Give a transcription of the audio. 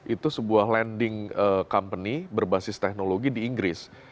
itu sebuah lending company berbasis teknologi di inggris